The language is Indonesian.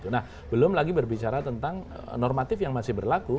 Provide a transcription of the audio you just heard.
nah belum lagi berbicara tentang normatif yang masih berlaku